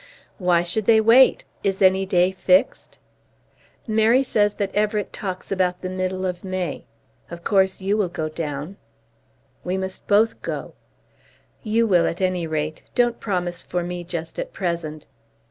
"Why should they wait? Is any day fixed?" "Mary says that Everett talks about the middle of May. Of course you will go down." "We must both go." "You will at any rate. Don't promise for me just at present.